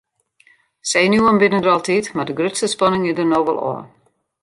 Senuwen binne der altyd mar de grutste spanning is der no wol ôf.